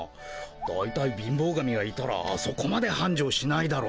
だいたい貧乏神がいたらあそこまではんじょうしないだろ。